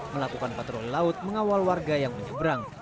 melakukan patroli laut mengawal warga yang menyeberang